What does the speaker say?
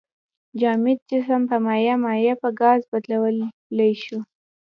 جامد جسم په مایع، مایع په ګاز بدلولی شو.